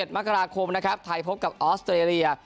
๑มกราคมนะครับไทยพบกับออสเตรเลีย